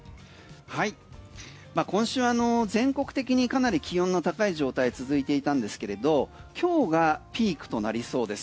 今週、全国的にかなり気温の高い状態続いていたんですけれど今日がピークとなりそうです。